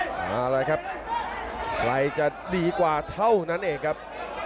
เอาละครับใครจะดีกว่าเท่านั้นเองครับ